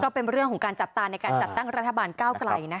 เป็นเรื่องของการจับตาในการจัดตั้งรัฐบาลก้าวไกล